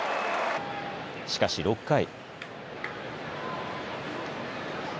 しかし６回。